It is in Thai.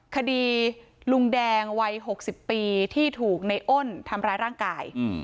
คดีลุงแดงวัย๖๐ปีที่ถูกในอ้นทำร้ายร่างกาย